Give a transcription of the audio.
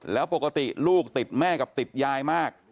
แล้วปกติลูกติดแม่กับติดยายมาก